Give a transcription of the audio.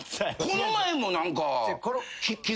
この前も何か。